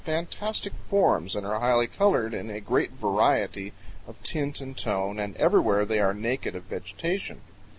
71 fantastic forms and are highly colored in a great variety of tint and tone, and everywhere they are naked of vegetation.